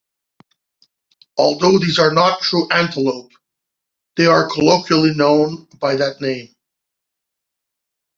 Although these are not true antelope, they are colloquially known by that name.